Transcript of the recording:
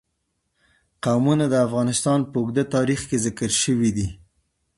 قومونه د افغانستان په اوږده تاریخ کې ذکر شوی دی.